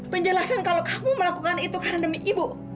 penjelasan kalau kamu melakukan itu karena demi ibu